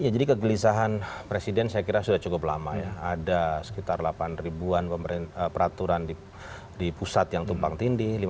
jadi kegelisahan presiden saya kira sudah cukup lama ya ada sekitar delapan ribuan peraturan di pusat yang tumpang tindi